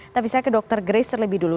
tapi saya ke dr grace terlebih dulu